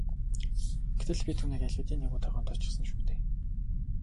Гэтэл би түүнийг аль хэдийн нэг удаа гомдоочихсон шүү дээ.